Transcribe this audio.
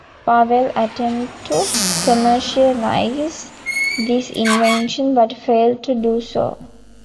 Pavel attempted to commercialise this invention but failed to do so.